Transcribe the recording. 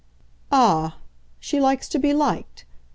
"Ah, she likes to be liked?"